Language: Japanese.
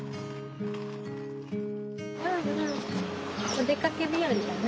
お出かけ日和だね。